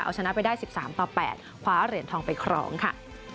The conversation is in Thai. เอาชนะไปได้๑๓ต่อ๘คว้าเหรียญทองไปครองค่ะ